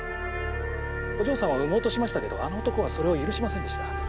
お嬢さんは産もうとしましたけどあの男はそれを許しませんでした。